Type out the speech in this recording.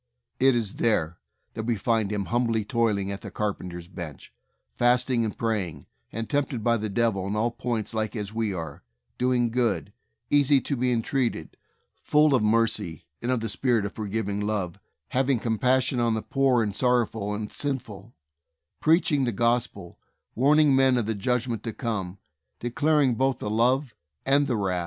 It is there that we find Him humbly toil ing at the carpenter's bench, fasting and praying, and tempted by the devil in all points like as we are, doing good, easy to be en treated, full of mercy and of the spirit of for giving love, having compassion on the poor and sorrowful and sinful, preaching the Gospel, warning men of the judgment to come, declaring both the love and the wrath.